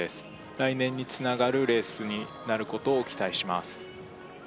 来年につながるレースになることを期待します